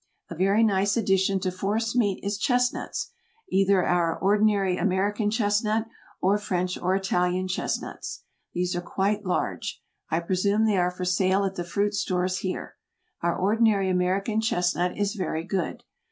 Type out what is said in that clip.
A very nice addition to force meat is chestnuts, either our ordinary American chestnut, or French or Italian chestnuts. These are quite large. I presume they are for sale at the fruit stores here. Our ordinary American chestnut is very good.